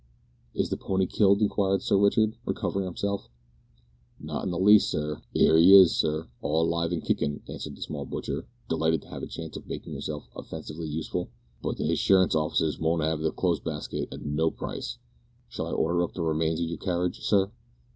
"Is the pony killed?" inquired Sir Richard, recovering himself. "Not in the least, sir. 'Ere 'e is, sir; all alive an' kickin'," answered the small butcher, delighted to have the chance of making himself offensively useful, "but the hinsurance offices wouldn't 'ave the clo'se baskit at no price. Shall I order up the remains of your carriage, sir?"